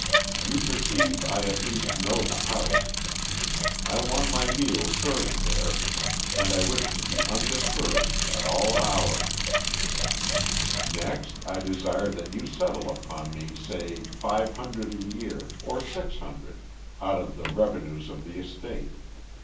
You perceive I at least know the house. I want my meals served there, and I wish to be undisturbed at all hours. Next I desire that you settle upon me say five hundred a year or six hundred out of the revenues of the estate.